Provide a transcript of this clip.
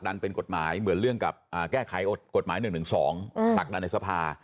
เป็นกฎหมายเหมือนเรื่องกับแก้ไขกฎหมาย๑๑๒ผลักดันในสภา